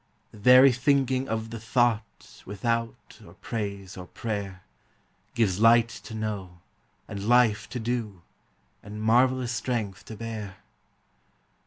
The very thinking of the thought Without or praise or prayer, Gives light to know, and life to do, And marvellous strength to bear.